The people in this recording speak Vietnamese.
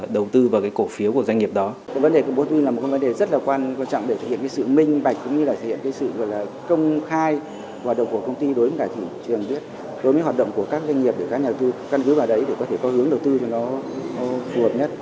đối với hoạt động của các doanh nghiệp để các nhà đầu tư căn cứ vào đấy để có thể có hướng đầu tư cho nó phù hợp nhất